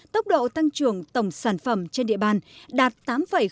tốc độ tăng trưởng tổng sản phẩm trên địa bàn đạt tám bốn